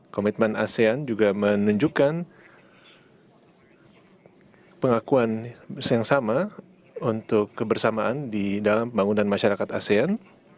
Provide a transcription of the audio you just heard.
komitmen asean juga menunjukkan pengakuan yang sama untuk kebersamaan di dalam pembangunan masyarakat asean